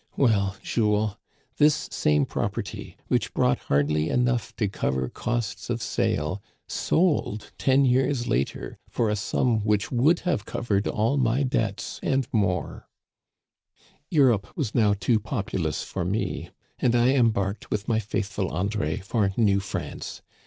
Well, Jules, this same property, which brought hardly enough to cover costs of sale, sold ten years later for a sum which would have covered all my debts and more. Digitized by VjOOQIC IS2 THE CANADIANS OF OLD. " Europe was now too populous for me, and I em barked with my faithful André for New France.